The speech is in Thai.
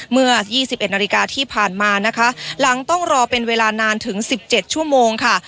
เมื่อ๒๑นาฬิกาที่ผ่านมานะคะหลังต้องรอเป็นเวลานานถึง๑๗ชั่วโมงค่ะ